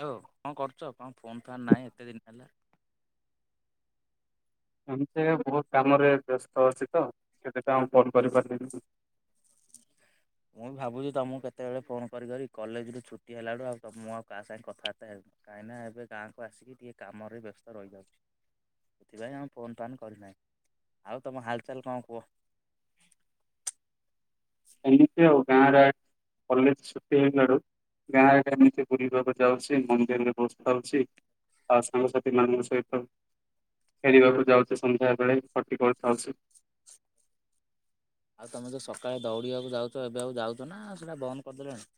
Hello କଣ କରୁଛ କଣ ଫୋନ୍ ଫାନ୍ ନାହିଁ ଏତେ ଦିନ ହେଲାନି? ଏମିତି ଏକା ବହୁତ କାମରେ ବ୍ୟସ୍ତ ଅଛି ତ ସେଥିପାଇଁ ଆଉ ଫୋନ୍ କରିପାରିଲିନି। ମୁଁ ଭାବୁଛି ତମକୁ କେତେବେଳେ ଫୋନ କରିକରି କଲେଜରୁ ଛୁଟି ହେଲାଡୁ ଆଉ ମୁଁ ଆଉ କାହା ସାଙ୍ଗେ କଥାବାର୍ତ୍ତା ହେଉନି। କାହିଁକି ନା ଏବେ ଗାଁକୁ ଆସିକି ଟିକେ କାମରେ ବ୍ୟସ୍ତ ରହିଯାଉଛି। ସେଥିପାଇଁ ଆମେ ଫୋନ୍ ଫାନ୍ କରିନାହିଁ। ଆଉ ତୁମ ହାଲଚାଲ୍ କଣ କୁହ? ଏତିକି ଆଉ ଗାଁ ରେ କଲେଜ ଛୁଟି ହେଲାଡୁ ଗାଁରେ ଏମିତି ବୁଲିବାକୁ ଯାଉଛି ମନ୍ଦିରରେ ବସିଥାଉଛି। ଆଉ ସାଙ୍ଗସାଥି ମାନଙ୍କ ସହିତ ଖେଳିବାକୁ ଯାଉଛି ସନ୍ଧ୍ୟା ବେଳେ ଖଟି ବୋହୁତ ଖାଉଛି। ଆଉ ତୁମେ ଯୋଉ ସକାଳେ ଦୌଡ଼ିବାକୁ ଯାଉଚ। ଏବେ ଆଉ ଯାଉଚ ନା ସେଇଟା ବନ୍ଦ କରିଦେଲେଣି।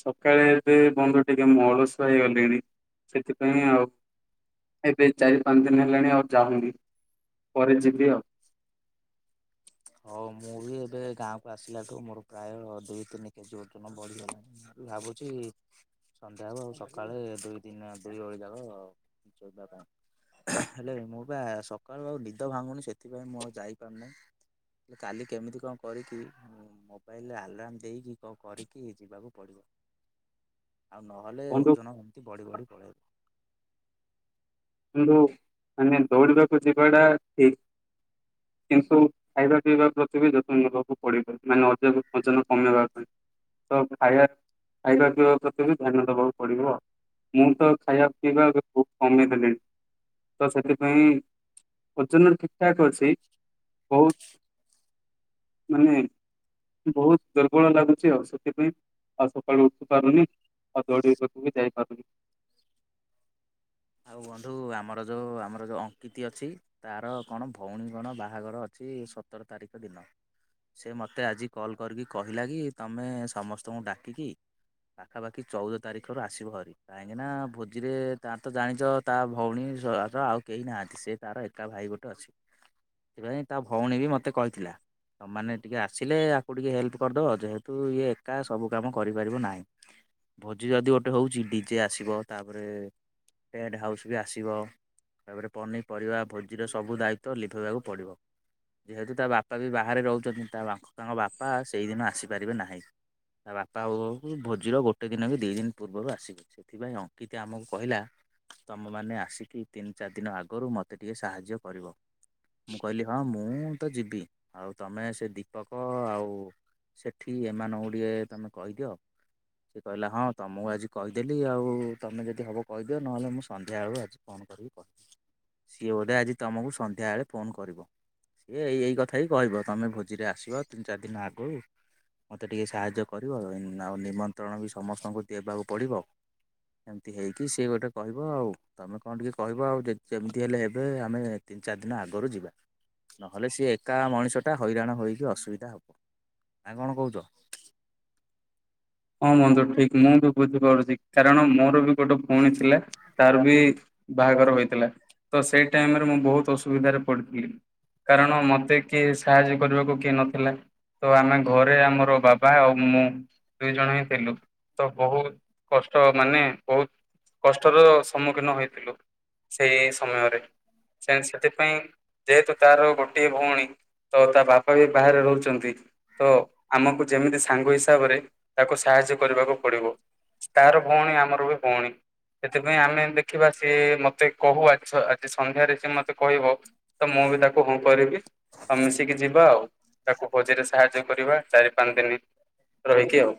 ସକାଳେ ଏବେ ବନ୍ଧୁ ଟିକେ ମୁଁ ଅଳସ ହେଇଗଲିଣି। ସେଥିପାଇଁ ଆଉ ଏବେ ଚାରି ପାଞ୍ଚ ଦିନ ହେଲାଣି ଆଉ ଯାଉନି ପରେ ଯିବି ଆଉ। ହଉ ମୁଁ ବି ଏବେ ଗାଁକୁ ଆସିଲାଠୁ ମୋର ପ୍ରାୟ ଦୁଇ ତିନି କେଜି ଓଜନ ବଢିଗଲାଣି। ଖାଲି ଭାବୁଛି ସନ୍ଧ୍ୟା ହଉ ଆଉ ସକାଳେ ଦୁଇ ତିନି ଦୁଇ ଓଳି ଯାକ ଆଉ ଚୋଇବା ପାଇଁ। ହେଲେ ମୁଁ ବା ସକାଳୁ ଆଉ ନିଦ ଭାଙ୍ଗୁନି ସେଥିପାଇଁ ମୁଁ ଆଉ ଯାଇପାରୁ ନାହିଁ। ହେଲେ କାଲି କେମିତି କଣ କରିକି ମୋବାଇଲରେ ଆଲାରାମ ଦେଇକି କରିକି ଯିବାକୁ ପଡିବ। ଆଉ ନହେଲେ ବନ୍ଧୁ ଓଜନ ଏମତି ବଢି ବଢି ପଳେଇବ। କିନ୍ତୁ ଆମେ ଦୈଡିବାକୁ ଯିବା ଟା ଠିକ କିନ୍ତୁ ଖାଇବା ପିଇବା ପ୍ରତି ବି ଯତନ ନେବାକୁ ପଡିପାରେ ମାନେ ଅଧିକ ଓଜନ କମେଇବା ପାଇଁ। ତ ଖାଇବା ଖାଇବା ପିଇବା ପ୍ରତି ବି ଧ୍ୟାନ ଦବାକୁ ପଡିବ ଆଉ। ମୁଁ ତ ଖାଇବା ପିଇବା ଏବେ ବୋହୁତ କମେଇ ଦେଲିଣି। ତ ସେଥିପାଇଁ ଓଜନ ଠିକ ଠାକ୍ ଅଛି ବୋହୁତ ମାନେ ବୋହୁତ ଦୁର୍ବଳ ଲାଗୁଛି ଆଉ ସେଥିପାଇଁ ଆଉ ସକାଳୁ ଉଠି ପାରୁନି। ଆଉ ଦୌଡ଼ିବାକୁ ବି ଯାଇପାରୁନି। ଆଉ ବନ୍ଧୁ ଆମର ଯୋଉ ଆମର ଯୋଉ ଅଙ୍କିିତ ଅଛି। ତାର କଣ ଭଉଣୀ କଣ ବାହାଘର ଅଛି ସତର ତାରିଖ ଦିନ। ସେ ମୋତେ ଆଜି କଲ୍ କରିକି କହିଲା କି ତମେ ସମସ୍ତଙ୍କୁ ଡାକିକି ପାଖାପାଖି ଚଉଦ ତାରିଖରୁ ଆସିବ ହାରି କାହିଁକିନା ଭୋଜିରେ ତା ତ ଜାଣିଛ ତା ଭଉଣୀର ଆଉ କେହି ନାହାନ୍ତି। ସେ ତାର ଏକା ଭାଇ ଗୋଟେ ଅଛି। ସେଥିପାଇଁ ତା ଭଉଣୀ ବି ମତେ କହିଥିଲା। ତମାନେ ଟିକେ ଆସିଲେ ଆକୁ ଟିକେ ହେଲ୍ପ କରିଦବ। ଯେହେତୁ ଇଏ ଏକା ସବୁ କାମ କରିପାରିବ ନାହିଁ। ଭୋଜି ଯଦି ଗୋଟେ ହଉଛି ଡିଜେ ଆସିବ। ତାପରେ ଟେଣ୍ଡ ହାଉସ୍ ବି ଆସିବ। ତାପରେ ପନିପରିବା ଭୋଜିର ସବୁ ଦାୟିତ୍ୱ ଲିଭେଇବାକୁ ପଡ଼ିବ। ଯେହେତୁ ତା ବାପା ବି ବାହାରେ ରହୁଛନ୍ତି। ତା ତାଙ୍କ ବାପା ସେଇଦିନ ଆସିପାରିବେ ନାହିଁ। ତା ବାପା [unintelligible] ଭୋଜିର ଗୋଟେ ଦିନ କି ଦି ଦିନ ପୂର୍ବରୁ ଆସିବେ। ସେଥିପାଇଁ ଅଙ୍କିିତ ଆମକୁ କହିଲା ତମ ମାନେ ଆସିକି ତିନି ଚାରି ଦିନ ଆଗରୁ ମତେ ଟିକେ ସାହାଯ୍ୟ କରିବ। ମୁଁ କହିଲି ହଁ ମୁଁ ମୁଁ ତ ଯିବି ଆଉ ତମେ ସେ ଦୀପକ ଆଉ ସେଠି ଏମାନ ଗୁଡିଏ ତମେ କହିଦିଅ। ସେ କହିଲା ହଁ ତମକୁ ଆଜି କହିଦେଲି ଆଉ ତମେ ଯଦି ହବ କହି ନହେଲେ ମୁଁ ସନ୍ଧ୍ୟାବେଳୁ ଆଜି ଫୋନ୍ କରିକି କହିିବି। ସିଏ ଗୋଟେ ଆଜି ତୁମକୁ ସନ୍ଧ୍ୟାବେଳେ ଫୋନ୍ କରିବ। ସିଏ ଏଇ ଏଇ କଥା ହିଁ କହିବ ତୁମେ ଭୋଜିରେ ଆସିବ। ତିନି ଚାରି ଦିନ ଆଗରୁ ମୋତେ ଟିକେ ସାହାଯ୍ୟ କରିବ। ଆଉ ନିମନ୍ତ୍ରଣ ବି ସମସ୍ତଙ୍କୁ ଦେବାକୁ ପଡ଼ିବ। ଏମିତି ହେଇକି ସିଏ ଗୋଟେ କହିବ ଆଉ। ତମେ କଣ ଟିକେ କହିବ ଆଉ ଯେମିତି ହେଲେ ଏବେ ଆମେ ତିନି ଚାରି ଦିନ ଆଗରୁ ଯିବା। ନହେଲେ ସିଏ ଏକା ମଣିଷ ଟା ହଇରାଣ ହେଇକି ଅସୁବିଧା ହବ ଆ କଣ କହୁଛ? ହଁ ମନ୍ଧୁ ଠିକ ମୁଁ ବି ବୁଝିପାରୁଛି କାରଣ ମୋର ବି ଗୋଟେ ଭଉଣୀ ଥିଲା ତାର ବି ବାହାଘର ହୋଇଥିଲା ତ ସେଇ ଟାଇମରେ ମୁଁ ବହୁତ ଅସୁବିଧାରେ ପଡିଥିଲି। କାରଣ ମତେ କିଏ ସାହାଯ୍ୟ କରିବାକୁ କିଏ ନଥିଲା। ତ ଆମେ ଘରେ ଆମର ବାବା ଆଉ ମୁଁ। ଦୁଇ ଜଣ ହିଁ ଥିଲୁ ତ ବହୁତ କଷ୍ଟ ମାନେ ବହୁତ କଷ୍ଟର ସମ୍ମୁଖୀନ ହେଇଥିଲୁ ସେଇ ସମୟରେ। ସେ ସେଥିପାଇଁ ଯେହେତୁ ତାର ଗୋଟିଏ ଭଉଣୀ। ତ ତା ବାପା ବି ବାହାରେ ରହୁଛନ୍ତି ତ ଆମକୁ ଯେମିତି ସାଙ୍ଗ ହିସାବରେ ତାକୁ ସାହାଯ୍ୟ କରିବାକୁ ପଡିବ ତାର ଭଉଣୀ ଆମର ବି ଭଉଣୀ। ସେଥିପାଇଁ ଆମେ ଦେଖିବା ସିଏ ମୋତେ କହୁ ଆଜି ଆଜି ସନ୍ଧ୍ୟାରେ ସିଏ ମୋତେ କହିବ। ତ ମୁଁ ବି ତାକୁ ହଁ କରିବି ତ ମିଶିକି ଯିବା ଆଉ ତାକୁ ହୋଜିରେ ସାହାଯ୍ୟ କରିବା ଚାରି ପାଞ୍ଚ ଦିନ ରହିକି ଆଉ।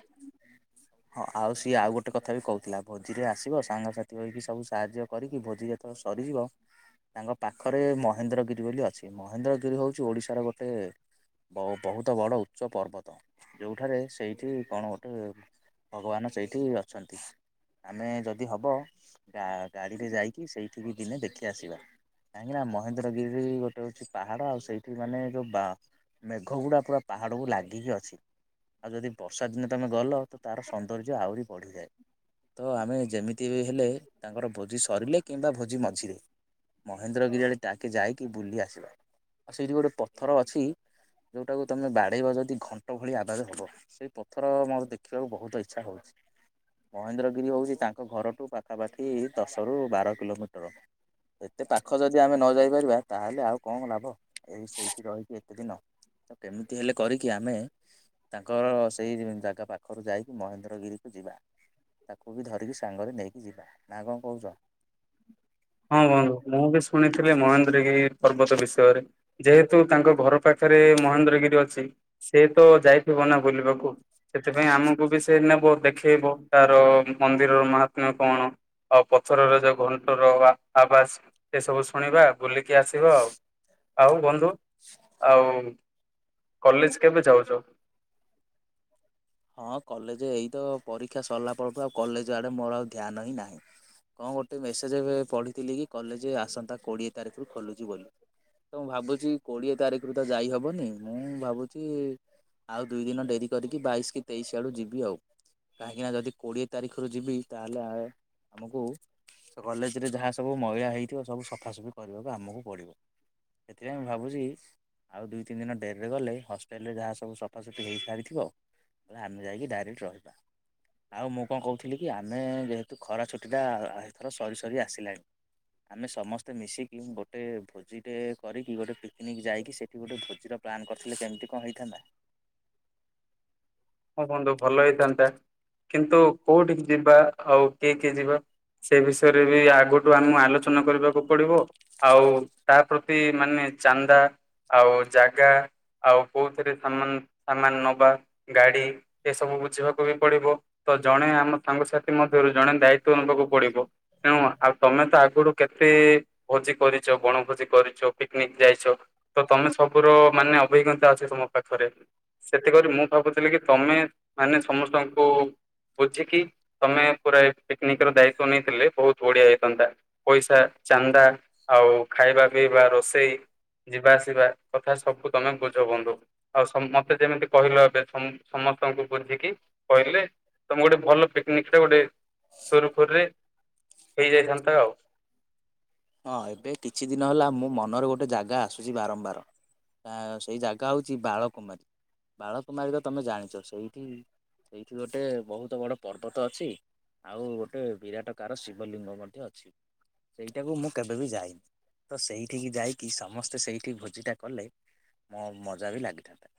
ହଁ ଆଉ ସିଏ ଆଉ ଗୋଟେ କଥା ବି କହୁଥିଲା ଭୋଜିରେ ଆସିବ ସାଙ୍ଗସାଥି ହୋଇକି ସବୁ ସାହାଯ୍ୟ କରିକି ଭୋଜି ଯେତେବେଳେ ସରିଯିବ। ତାଙ୍କ ପାଖରେ ମହେନ୍ଦ୍ରଗିରି ବୋଲି ଅଛି ମହେନ୍ଦ୍ରଗିରି ହେଉଛି ଓଡ଼ିଶାର ଗୋଟେ ବ ବହୁତ ବଡ଼ ଉଚ୍ଚ ପର୍ବତ ଯେଉଁଠାରେ ସେଇଠି କଣ ଗୋଟେ ଭଗବାନ ସେଇଠି ଅଛନ୍ତି। ଆମେ ଯଦି ହବ ଗା ଗାଡ଼ିରେ ଯାଇକି ସେଇଠି ବିି ଦିନେ ଦେଖି ଆସିବା। କାହିଁକି ନା ମହେନ୍ଦ୍ରଗିରି ଗୋଟେ ହଉଛି ପାହାଡ ଆଉ ସେଇଠି ମାନେ ଯୋଉ ବା ମେଘ ଗୁଡା ପୁରା ପାହାଡକୁ ଲାଗିକି ଅଛି ଆଉ ଯଦି ବର୍ଷା ଦିନେ ତମେ ଗଲ ତ ତାର ସୌନ୍ଦର୍ଯ୍ୟ ଆହୁରି ବଢ଼ିଯାଏ। ତ ଆମେ ଯେମିତି ବି ହେଲେ ତାଙ୍କର ଭୋଜି ସରିଲେ କିମ୍ବା ଭୋଜି ମଝିରେ ମହେନ୍ଦ୍ରଗିରି ଆଡେ ଟାକେ ଯାଇକି ବୁଲି ଆସିବା ଆଉ ସେଇଠି ଗୋଟେ ପଥର ଅଛି। ଯୋଉଟାକୁ ତମେ ବାଡେଇବ ଯଦି ଘଣ୍ଟ ଭଳି ଆବାଜ ହବ ସେଇ ପଥର ମୁଁ ଦେ ଦେଖିବାକୁ ବହୁତ ଇଚ୍ଛା ହଉଛି। ମହେନ୍ଦ୍ରଗିରି ହେଉଛି ତାଙ୍କ ଘରଠୁ ପାଖାପାଖି ଦଶରୁ ବାର କିଲୋମିଟର। ଏତେ ପାଖ ଯଦି ଆମେ ନ ଯାଇପାରିବା ତାହେଲେ ଆଉ କଣ ଲାଭ। ଏଇ ସେଇଠି ରହିଛିି ଏତେ ଦିନ ତ କେମିତି ହେଲେ କରିକି ଆମେ ତାଙ୍କର ସେଇ ଜାଗା ପାଖ ଖରୁ ଯାଇକି ମହେନ୍ଦ୍ରଗିରିକୁ ଯିବା ତାକୁ ବି ଧରିକି ସାଙ୍ଗରେ ନେଇକି ଯିବା ନା କଣ କହୁଛ? ହଁ ବନ୍ଧୁ ମୁଁ ବି ଶୁଣିଥିଲି ମହେନ୍ଦ୍ରରିରୀ ପର୍ବତ ବିଷୟରେ। ଯେହେତୁ ତାଙ୍କ ଘର ପାଖରେ ମହେନ୍ଦ୍ରଗିରି ଅଛି ସେ ତ ଯାଇଥିବ ନା ବୁଲିବାକୁ। ସେଥିପାଇଁ ଆମକୁ ବି ସେ ନେବ ଦେଖେଇବ ତାର ମନ୍ଦିରର ମହାତ୍ମ୍ୟ କଣ। ଆଉ ପଥରରେ ଯୋଉ ଘଣ୍ଟର ଆବାସ ଏ ସବୁ ଶୁଣିବା ବୁଲିକି ଆସିବା ଆଉ। ଆଉ ବନ୍ଧୁ ଆଉ କଲେଜ କେବେ ଯାଉଛ? ହଁ କଲେଜ ଏଇ ତ ପରୀକ୍ଷା ସରିଲା ପରଠୁ ଆଉ କଲେଜ ଆଡ଼େ ମୋର ଆଉ ଧ୍ୟାନ ହିଁ ନାହିଁ। କଣ ଗୋଟେ ମେସେଜ୍ ଏବେ ପଢ଼ିଥିଲି କି କଲେଜ ଆସନ୍ତା କୋଡ଼ିଏ ତାରିଖରୁ ଖୋଲୁଛି ବୋଲି। ତ ମୁଁ ଭାବୁଛି କୋଡିଏ ତାରିଖରୁ ତ ଯାଇ ହବନି ମୁଁ ଭାବୁଛି ଆଉ ଦୁଇ ଦିନ ଡେରି କରିକି ବାଇଶ କି ତେଇଶୀ ଆଡୁ ଯିବି ଆଉ। କାହିଁକି ନା ଯଦି କୋଡିଏ ତାରିଖରୁ ଯିବି ତାହେଲେ ଆ ଆମକୁ ସେ କଲେଜ ରେ ଯାହା ସବୁ ମଇଳା ହେଇଥିବ ସବୁ ସଫାସଫି କରିବାକୁ ଆମକୁ ପଡ଼ିବ। ସେଥିପାଇଁ ମୁଁ ଭାବୁଛି ଆଉ ଦୁଇ ତିନି ଦିନ ଡେରିରେ ଗଲେ ହଷ୍ଟେଲରେ ଯାହା ସବୁ ସଫାସୁଫି ହୋଇସାରିଥିବ। ପୁରା ଆମେ ଯାଇକି ଡାଇରେକ୍ଟ ରହିବା। ଆଉ ମୁଁ କଣ କହୁଥିଲି କି ଆମେ ଯେହେତୁ ଖରା ଛୁଟି ଟା ଏଥର ସରି ସରି ଆସିଲାଣି। ଆମେ ସମସ୍ତେ ମିଶିକି ଗୋଟେ ଭୋଜି ଟେ କରିକି ଗୋଟେ ପିକନିକ ଯାଇକି ସେଠି ଗୋଟେ ଭୋଜିର ପ୍ଲାନ୍ କରିଥିଲେ କେମିତି କଣ ହେଇଥାନ୍ତା। ହଁ ବନ୍ଧୁ ଭଲ ହେଇଥାନ୍ତା କିନ୍ତୁ କୋଉଠିକି ଯିବା ଆଉ କିଏ କିଏ ଯିବା। ସେ ବିଷୟରେ ବି ଆଗଠୁ ଆମକୁ ଆଲୋଚନା କରିବାକୁ ପଡିବ। ଆଉ ତା ପ୍ରତି ମାନେ ଚାନ୍ଦା ଆଉ ଜାଗା ଆଉ କୋଉଥିରେ ସାମାନ ସାମାନ ନବା। ଗାଡ଼ି ଏସବୁ ବୁଝିବାକୁ ବି ପଡ଼ିବ। ତ ଜଣେ ଆମ ସାଙ୍ଗସାଥି ମଧ୍ୟରୁ ଜଣେ ଦାଇତ୍ୱ ନେବାକୁ ପଡିବ। ତେଣୁ ଆଉ ତମେ ତ ଆଗରୁୁ କେତେ ଭୋଜି କରିଛ ବଣଭୋଜି କରିଛ ପିକନିକ ଯାଇଛ। ତ ତମେ ସବୁର ମାନେ ଅଭିଜ୍ଞତା ଅଛି ତମ ପାଖରେ ସେଥିକରି ମୁଁ ଭାବୁଥିଲ କି ତମେ ମାନେ ସମସ୍ତଙ୍କୁ ବୁଝିକି ତମେ ପୁରା ପିକନିକ ର ଦାୟିତ୍ୱ ନେଇଥିଲେ ବହୁତ ବଡିଆ ହେଇଥାନ୍ତା ପଇସା ଚାନ୍ଦା ଆଉ ଖାଇବା ପିଇବା ରୋଷେଇ। ଯିବା ଆସିବା କଥା ସବୁ ତମେ ବୁଝ ବନ୍ଧୁ ଆଉ ସମସ୍ତେ ଯେମିତି କହିଲ ଏବେ। ସମସ୍ତଙ୍କୁ ବୁଝିକି କହିଲେ ତମେ ଗୋଟେ ଭଲ ପିକନିକ ଟେ ଗୋଟେ ସୁରୁଖୁରୁରେ ହେଇଯାଇଥାନ୍ତା ଆଉ। ହଁ ଏବେ କିଛି ଦିନ ହେଲା ମୋ ମନରେ ଗୋଟେ ଜାଗା ଆସୁଛି ବାରମ୍ବାର। ସେଇ ଜାଗା ହେଉଛି ବାଳକୁମାରୀ ବାଳକୁମାରୀ ତ ତୁମେ ଜାଣିଛ ସେଇଠି ଏଇଠି ଗୋଟେ ବହୁତ ବଡ ପର୍ବତ ଅଛି। ଆଉ ଗୋଟେ ବିରାଟ କାର ଶିବଲିଙ୍ଗ ମଧ୍ୟ ଅଛି। ସେଟାକୁ ମୁଁ କେବେ ବି ଯାଇନି ତ ସେଇଠିକି ଯାଇକି ସମସ୍ତେ ସେଇଠି ଭୋଜିଟା କଲେ ମୋ ମଜା ବି ଲାଗିଥାନ୍ତା।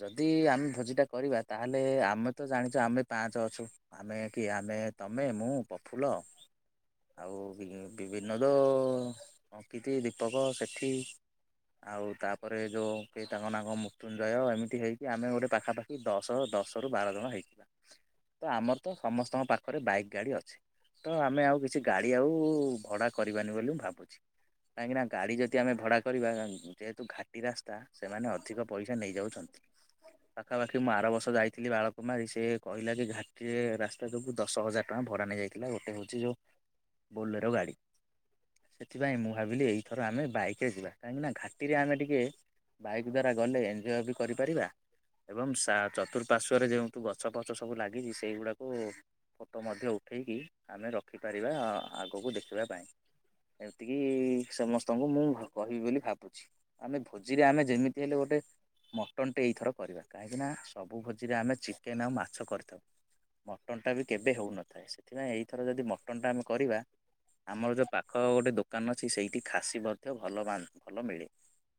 ଯଦି ଆମେ ଭୋଜିଟା କରିବା ତାହେଲେ ଆମେ ତ ଜାଣିଛ ଆମେ ପାଞ୍ଚ ଅଛୁ। ଆମେ କିଏ ଆମେ ତମେ ମୁଁ ପ୍ରଫୁଲ ଆଉ ବି ବିନୋଦ ଅଙ୍କିତି ଦୀପକ ସେଠି। ଆଉ ତାପରେ ଯେଉଁ କିହି ତାଙ୍କ ନାମ ମୃତ୍ୟୁଞ୍ଜୟ ଏମିତି ହେଇକି ଆମେ ଗୋଟେ ପାଖାପାଖି କି ଦଶ ଦଶ ରୁ ବାର ଜଣ ହେଇଯିବା। ତ ଆମର ତ ସମସ୍ତଙ୍କ ପାଖରେ ବାଇକ୍ ଗାଡ଼ି ଅଛି ତ ଆମେ ଆଉ କିଛି ଗାଡ଼ି ଆଉ। ଭଡ଼ା କରିବାନି ବୋଲି ମୁଁ ଭାବୁଛି କାହିଁକିନା ଗାଡ଼ି ଯଦି ଆମେ ଭଡ଼ା କରିବା ଯେହେତୁ ଘାଟି ରାସ୍ ତା ସେମାନେ ଅଧିକ ପଇସା ନେଇଯାଉଛନ୍ତି ପାଖାପାଖି ମୁଁ ଆର ବର୍ଷ ଯାଇଥିଲି ବାଳ କୁମାରି ସେ କହିଲା ଯେ ଘାଟିରେ ରାସ୍ତା ଯୋଗୁ ଦଶ ହଜାର ଟଙ୍କା ଭଡା ନେଇଯାଇଥିଲା ଗୋଟେ ହଉଛି ଯୋଉ। ବୋଲେର ଗାଡ଼ି। ସେଥିପାଇଁ ମୁଁ ଭାବିଲି ଏଇଥର ଆମେ ବାଇକରେ ଯିବା କାହିଁକିନା ଘାଟିରେ ଆମେ ଟିକେ। ବାଇକ୍ ଦ୍ବାରା ଗଲେ ଏଞଜିଓ ବି କରିପାରିବା। ଏବଂ ଚତୁର୍ପାର୍ଶ୍ଵରେ ଯେଉଁତୁ ଗଛ ଫଛ ସବୁ ଲାଗିଛି ସେଇଗୁଡ଼ାକୁ ଫୋଟୋ ମଧ୍ୟ ଉଠାଇକି ଆମେ ରଖିପାରିବା ଆଗକୁ ଦେଖିବା ପାଇଁ ଏମିତିକି ସମସ୍ତଙ୍କୁ ମୁଁ କହିବି ବୋଲି ଭାବୁଛି। ଆମେ ଭୋଜିରେ ଆମେ ଯେମିତି ହେଲେ ଗୋଟେ। ମଟନଟେ ଏଇଥର କରିବା କାହିଁକିନା ସବୁ ଭୋଜିରେ ଆମେ ଚିକେନ ଆଉ ମାଛ କରିଥାଉ। ମଟନଟା ବି କେବେ ହେଉନଥାଏ ସେଥିପାଇଁ ଏଇଥର ଯଦି ମଟନଟା ଆମେ କରିବା। ଆମର ଯୋଉ ପାଖ ଗୋଟେ ଦୋକାନ ଅଛି ସେଇଠି ଖାସି ମଧ୍ୟ ଭଲ ଭଲ ମିଳେ।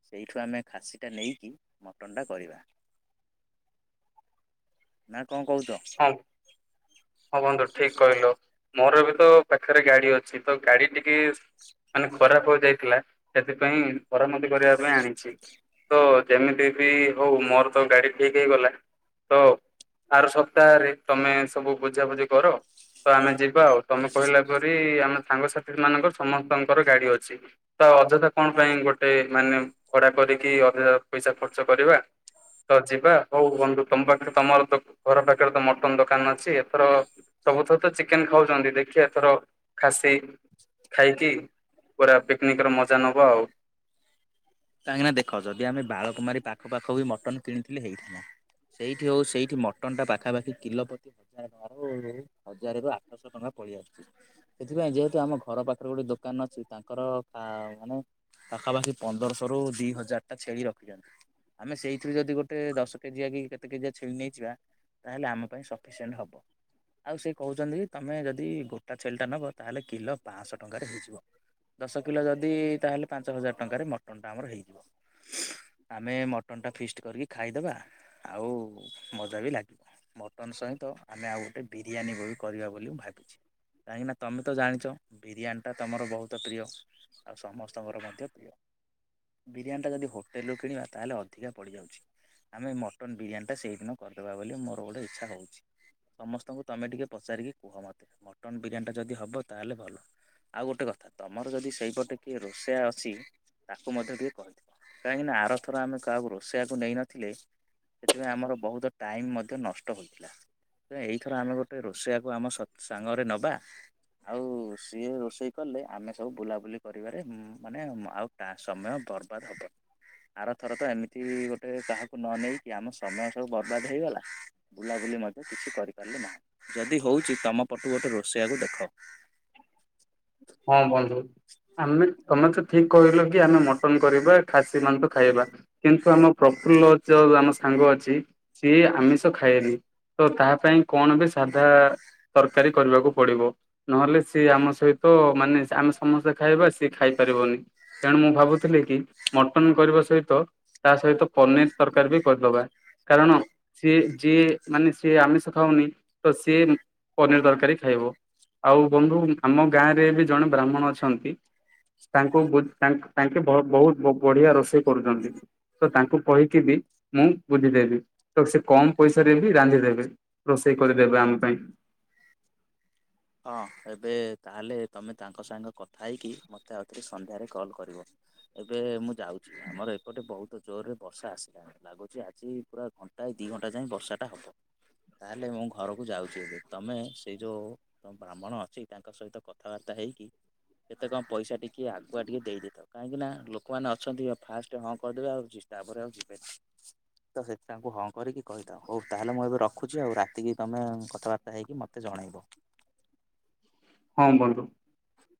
ସେଇଠୁ ଆମେ ଖାସିଟା ନେଇକି ମଟନଟା କରିବା। ନା କଣ କହୁଛ। [unintelligible] ହଁ ବନ୍ଧୁ ଠିକ କହିଲ ମୋର ବି ତ ପାଖରେ ଗାଡି ଅଛି ତ ଗାଡି ଟିକି ମାନେ ଖରାପ ହ ଯାଇଥିଲା ସେଥିପାଇଁ ମରାମତି କରିବା ପାଇଁ ଆଣିଛି। ତ ଯେମିତି ବି ହଉ ମୋର ତ ଗାଡି ଠିକ ହେଇଗଲା। ତ ଆର ସପ୍ତାହରେ ତମେ ସବୁ ବୁଝାାବୁଝି କର। ତ ଆମେ ଯିବା ଆଉ ତମେ କହିଲା ପରି ଆମ ସାଙ୍ଗସାଥି ମାନଙ୍କର ସମସ୍ତଙ୍କର ଗାଡି ଅଛି। ତ ଅଯଥା କଣ ପାଇଁ ଗୋଟେ ମାନେ କଡା କରିକି ଅଯଥା ପଇସା ଖର୍ଚ୍ଚ କରିବା। ତ ଯିବା ହଉ ବଧୁ ତମ ପାଖରେ ତମର ଘର ପାଖରେ ତ ମଟନ ଦୋକାନ ଅଛି ଏଥର ସବୁଥର ତ ଚିକେନ ଖାଉଛନ୍ତି ଦେଖି ଏଥର ଖାସି ଖାଇକି ପୁରା ପିକନିକ ର ମଜା ନବା ଆଉ। କାହିଁକିନା ଦେଖ ଯଦି ଆମେ ବାଳକୁମାରୀ ପାଖପଖ ବି ମଟନ୍ କିଣିଥିଲଥିଲେ ହେଇ [unintelligible] ସେଇଠି ହେଉ ସେଇଠି ମଟନ୍ଟା ପାଖାପାଖି କିଲୋ ପତି ହଜାର ଟଙ୍କାରୁ ହଜାର ରୁ ଆଠଶହ ଟଙ୍କା ପଳେଇ ଆସୁଛି। ସେଥିପାଇଁ ଯେହେତୁ ଆମ ଘର ପାଖରେ ଗୋଟେ ଦୋକାନ ଅଛି ତାଙ୍କର ମାନେ। ପାଖାପାଖି ପନ୍ଦରଶହ ରୁ ଦିଇ ହଜାର ଟା ଛେଳି ରଖିଛନ୍ତି। ଆମେ ସେଇଥିରୁ ଯଦି ଗୋଟେ ଦଶ କେଜିଆ କି କେତେ କେଜିଆ ଛେଳି ନେଇଯିବା। ତାହେଲେ ଆମ ପାଇଁ ସଫିସିଏଣ୍ଟ ହବ। ଆଉ ସେ କହୁଛନ୍ତି ତମେ ଯଦି ଗୋଟା ଛେଳିଟା ନବ ତାହେଲେ କିଲୋ ପାଞ୍ଚଶହ ଟଙ୍କାରେ ହେଇଯିବ। ଦଶ କିଲୋ ଯଦି ତାହେଲେ ପାଞ୍ଚ ହଜାର ଟଙ୍କାରେ ମଟନ୍ ଟା ଆମର ହେଇଯିବ। ଆମେ ମଟନ ଟା ଫିଷ୍ଟ କରିକି ଖାଇଦବା ଆଉ ମଜା ବି ଲାଗିବା ମଟନ୍ ସହିତ ଆମେ ଆଉ ଗୋଟେ ବିରିୟାନୀ ବି କରିବା ବୋଲି ମୁଁ ଭାବିଛି। କାହିଁକି ନା ତମେ ତ ଜାଣିଛ ବିରିୟାନୀ ଟା ତମର ବହୁତ ପ୍ରିୟ। ଆଉ ସମସ୍ତଙ୍କର ମଧ୍ୟ ପ୍ରିୟ। ବିରିୟାନଟା ଯଦି ହୋଟେଲରୁ କିଣିବା ତାହେଲେ ଅଧିକା ପଡ଼ିଯାଉଛି। ଆମେ ମଟନ ବିରିୟାନୀ ଟା ସେଇଦିନ କରିଦେବା ବୋଲି ମୋର ଗୋଟେ ଇଚ୍ଛା ରହୁଚି। ସମସ୍ତଙ୍କୁ ତମେ ଟିକେ ପଚାରିକି କୁହ ମତେ ମଟନ ବିରିୟାନୀ ଟା ଯଦି ହବ ତାହେଲେ ଭଲ। ଆଉ ଗୋଟେ କଥା ତମର ଯଦି ସେଇପଟେ କିଏ ରୋଷେଇଆ ଅଛି ତାକୁ ମଧ୍ୟ ଟିକେ କହ କାହିଁକି ନା ଆରଥର ଆମେ କାହାକୁ ରୋଷେଇଆକୁ ନେଇନଥିଲେ। ସେଥିପାଇଁ ଆମର ବହୁତ ଟାଇମ୍ ମଧ୍ୟ ନଷ୍ଟ ହୋଇଥିଲା। ତ ଏଇଥର ଆମେ ଗୋଟେ ରୋଷେଇଆକୁ ଆମ ସ ସାଙ୍ଗରେ ନବା। ଆଉ ସିଏ ରୋଷେଇ କଲେ ଆମେ ସବୁ ବୁଲାବୁଲି କରିବାରେ ଉମ ମାନେ ଆଉ ତା ସମୟ ବର୍ବାଦ ହେବ। ଆରଥର ତ ଏମିତି ଗୋଟେ କାହାକୁ ନ ନେଇେଇକି ଆମ ସମୟ ସବୁ ବର୍ବାଦ ହେଇଗଲା। ବୁଲାବୁଲି ମଧ୍ୟ କିଛି କରିପାରିଲେ ନାହିଁ ଯଦି ହଉଛି ତମ ପଟୁ ଗୋଟେ ରୋଷେଇଆକୁ ଦେଖ। ହଁ ବନ୍ଧୁ ଆମେ। ତମେ ତେ ଠିକ କହିଲ କି ଆମେ ମଟନ କରିବା ଖାସି ମାଂସ ଖାଇବା। କିନ୍ତୁ ଆମ ପ୍ରଫୁଲ୍ଲ ଯଉ ଆମ ସାଙ୍ଗ ଅଛି ସିଏ ଆମିଷ। ଖାଏନି ତ ତା ପାଇଁ। କଣ ବି ସାଧା ତରକାରୀ କରିବାକୁ ପଡିବ ନହେଲେ ସିଏ ଆମ ସହି ତ ମାନେ ଆମେ ସମସ୍ତେ ଖାଇବା ସିଏ ଖାଇପାରିବନି। ତେଣୁ ମୁଁ ଭାବୁଥିଲି କି ମଟନ କରିବା ସହିତ। ତା ସହିତ ପନିର ତରକାରୀ ବି କରିଦେବା କାରଣ। ସିଏ ଯିଏ ମାନେ ସିଏ ଆମିଷ ଖାଉନି ତ ସିଏ ପନିର ତରକାରୀ ଖାଇବ। ଆଉ ବନ୍ଧୁ ଆମ ଗାଁ ରେ ବି ଜଣେ ବ୍ରାହ୍ମଣ ଅଛନ୍ତି। ତାଙ୍କୁ ବୁ ତାଙ୍କେ ତାଙ୍କେ ବହୁତ ବଢିଆ ରୋଷେଇ କରୁଛନ୍ତି ତ ତାଙ୍କୁ କହିକି ବି ମୁଁ ବୁଝିଦେବି ତ ସେ କମ ପଇସାରେ ବି ରାନ୍ଧିଦେବେ। ରୋଷେଇ କରିଦେବେ ଆମ ପାଇଁ। ହଁ ଏବେ ତାହେଲେ ତମେ ତାଙ୍କ ସାଙ୍ଗ କଥା ହେଇକି ମୋତେ ଆଉଥରେ ସନ୍ଧ୍ୟାରେ କଲ୍ କରିବ। ଏବେ ମୁଁ ଯାଉଛି ଆମର ଏପଟେ ବହୁତ ଜୋରରେ ବର୍ଷା ଆସିଲାଣି। ଲାଗୁଛି ଆଜି ପୁରା ଘଣ୍ଟା ଦି ଘଣ୍ଟା ଯାଏଁ ବର୍ଷା ଟା ହବ। ତାହେଲେ ମୁଁ ଘରକୁ ଯାଉଛି ଏବେ ତମେ ସେଇ ଯୋଉ ତ ବ୍ରାହ୍ମଣ ଅଛି ତାଙ୍କ ସହିତ କଥାବାର୍ତ୍ତା ହେଇକି କେତେ କଣ ପଇସା ଟିକିଏ ଆଗୁଆ ଟିକେ ଦେଇଦେଇଥାଉ। କାହିଁକି ନା ଲୋକମାନେ ଅଛନ୍ତି ଆଉ ଫାଷ୍ଟ ହଁ କରିଦେବେ ଆଉଛି ତାପରେ ଆଉ ଯିବେନି। ତ ସେ ତାଙ୍କୁ ହଁ କରିକି କହିଥାଅ ହଉ ତାହଲେ ମୁଁ ଏବେ ରଖୁଛି ଆଉ ରାତିକି ତମେ କଥାବାର୍ତ୍ତା ହେଇକି ମତେ ତେ ଜଣେଇବ। ହଁ ବନ୍ଧୁ।